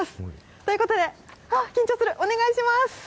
ということで、はー、緊張する、お願いします。